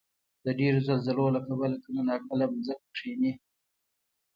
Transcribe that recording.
د ډېرو زلزلو له کبله کله ناکله ځمکه کښېني.